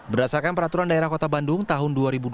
berdasarkan peraturan daerah kota bandung tahun dua ribu dua puluh